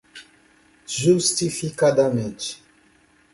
justificadamente